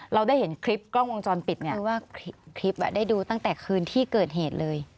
เราได้เห็นคลิปกล้องวงจรปิดเนี่ยว่าคลิปได้ดูตั้งแต่คืนที่เกิดเหตุเลย